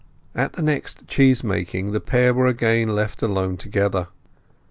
At the next cheese making the pair were again left alone together.